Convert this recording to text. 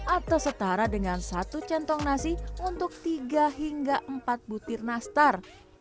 atau setara dengan satu centong nasi untuk tiga hingga empat butir nastar